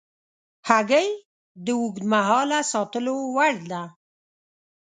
هګۍ د اوږد مهاله ساتلو وړ ده.